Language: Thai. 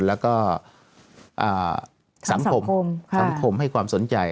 และก็สังคมให้ความสนใจ